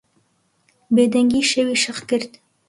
بێدەنگیی شەوی شەق کرد.